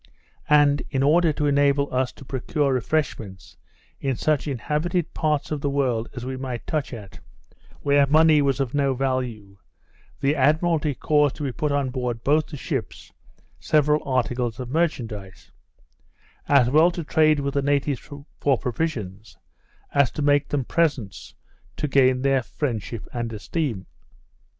And, in order to enable us to procure refreshments, in such inhabited parts of the world as we might touch at, where money was of no value, the Admiralty caused to be put on board both the ships, several articles of merchandize; as well to trade with the natives for provisions, as to make them presents to gain their friendship and esteem.